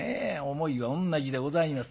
思いは同じでございます。